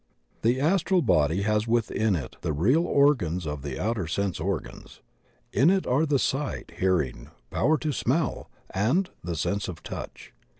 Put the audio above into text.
The astral body has within it the real organs of the outer sense organs. In it are the sight, hearing, power to smell, and the sense of touch.